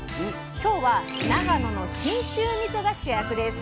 今日は長野の信州みそが主役です！